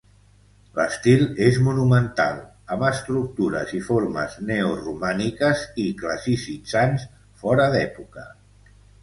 L'estil és monumental, amb estructures i formes neoromàniques i classicitzants, fora d'època.